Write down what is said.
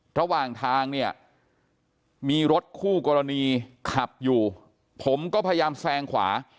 ระหว่างทางเนี่ยมีรถคู่กรณีขับอยู่ผมก็พยายามแซงขวา